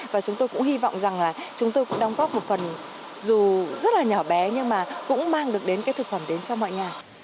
và chúng tôi cũng hy vọng rằng là chúng tôi cũng đóng góp một phần dù rất là nhỏ bé nhưng mà cũng mang được đến cái thực phẩm đến cho mọi nhà